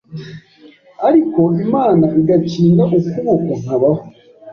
ariko Imana igakinga ukuboko nkabaho